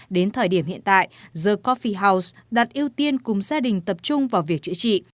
đến thời điểm hiện tại the cophie house đặt ưu tiên cùng gia đình tập trung vào việc chữa trị